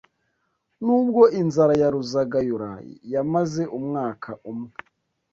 N’ubwo inzara ya Ruzagayura yamaze umwaka umwe,